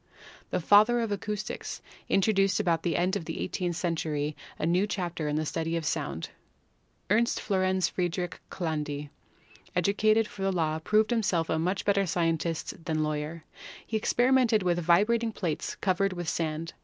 The "father of acoustics" introduced about the end of the eighteenth century a new chapter in the study of sound. Ernst Florens Friedrich Chladni, educated for the law, proved himself a much better scientist than law yer. He experimented with vibrating plates covered with sand.